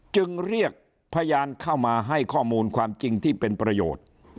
จึงเรียกพยานเข้ามาให้ข้อมูลความจริงที่เป็นประโยชน์